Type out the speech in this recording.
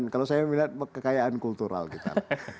kalau saya melihat kekayaan kultural kita